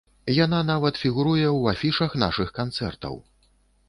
Яна нават фігуруе ў афішах нашых канцэртаў.